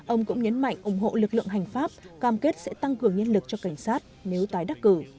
ông cũng nhấn mạnh ủng hộ lực lượng hành pháp cam kết sẽ tăng cường nhân lực cho cảnh sát nếu tái đắc cử